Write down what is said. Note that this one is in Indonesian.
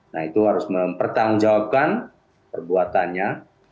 nah itu harus mempertanggungjawabkan perbuatannya